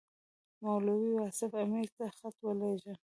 مولوي واصف امیر ته خط ولېږه.